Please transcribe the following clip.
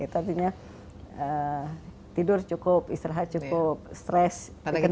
tentunya tidur cukup istirahat cukup stress dikendalikan